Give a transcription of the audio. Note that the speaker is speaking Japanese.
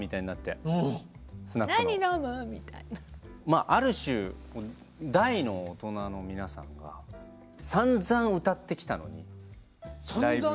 まあある種大の大人の皆さんがさんざん歌ってきたのにライブで。